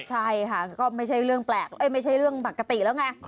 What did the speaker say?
ใช่ค่ะก็ไม่ใช่เรื่องแปลกไม่ใช่เรื่องปกติแล้วไง